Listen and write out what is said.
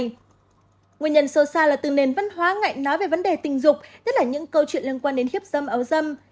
nguyên nhân sâu xa là từ nền văn hóa ngạnh nói về vấn đề tình dục nhất là những câu chuyện liên quan đến hiếp dâm áo dâm